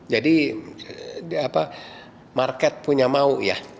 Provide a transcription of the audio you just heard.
jadi market punya mau ya